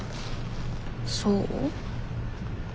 そう？